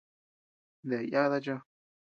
¿Daë yada chó?